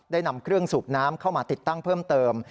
นำเครื่องสูบน้ำเข้ามาติดตั้งเพิ่มเติม